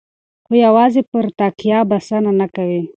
خو یوازې پرې تکیه بسنه نه کوي.